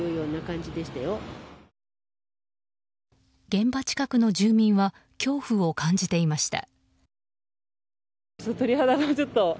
現場近くの住民は恐怖を感じていました。